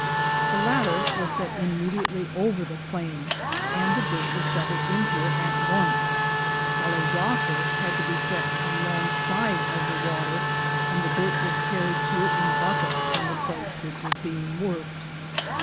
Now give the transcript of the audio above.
\ The latter was set immediately over the claim, and the dirt was shoveled into it at once, while a rocker had to be set alongside of the water, and the dirt was carried to it in buckets from the place which was being worked.